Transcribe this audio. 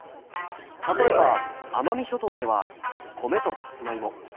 例えば奄美諸島では米とさつまいも。